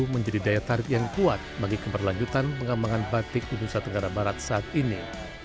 menjadi daya tarik yang kuat bagi keberlanjutan pengembangan batik di nusa tenggara barat saat ini